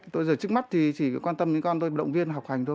tôi giờ trước mắt thì chỉ quan tâm đến con tôi động viên học hành thôi